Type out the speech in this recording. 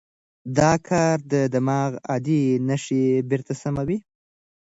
دا کار د دماغ عادي نښې بېرته سموي.